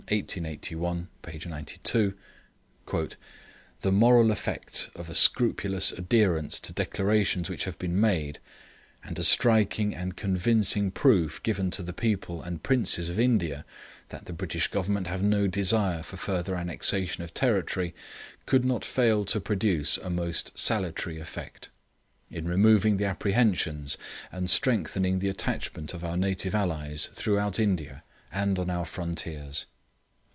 1, 1881, page 92.] 'The moral effect of a scrupulous adherence to declarations which have been made, and a striking and convincing proof given to the people and princes of India that the British Government have no desire for further annexation of territory, could not fail to produce a most salutary effect, in removing the apprehensions, and strengthening the attachment of our native allies throughout India, and on our frontiers....'